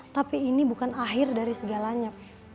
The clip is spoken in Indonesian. tapi ini bukan akhir dari segalanya